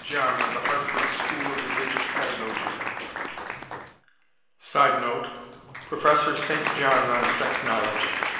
John of the Hartford School of Religious Pedagogy. [Sidenote: Prof. St. John on sex knowledge.